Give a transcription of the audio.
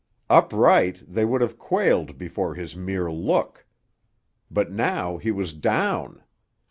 Upright, they would have quailed before his mere look. But now he was down!